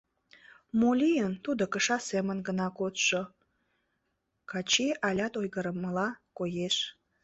— Мо лийын — тудо кыша семын гына кодшо, — Качий алят ойгырымыла коеш.